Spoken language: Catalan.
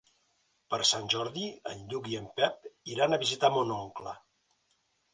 Per Sant Jordi en Lluc i en Pep iran a visitar mon oncle.